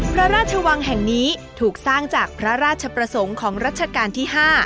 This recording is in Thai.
พระราชวังแห่งนี้ถูกสร้างจากพระราชประสงค์ของรัชกาลที่๕